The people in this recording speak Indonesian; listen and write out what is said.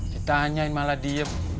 ditanyain malah diem